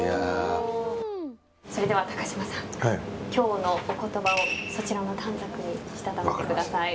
それでは高嶋さん今日のお言葉をそちらの短冊にしたためてください。